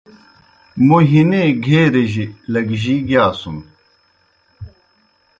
موْ ہِنے گھیرِجیْ لگجی گِیاسُن۔